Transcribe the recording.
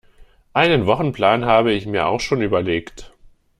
Einen Wochenplan habe ich mir auch schon überlegt